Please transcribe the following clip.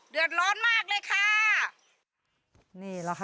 เดือดร้อนมากเลยค่ะ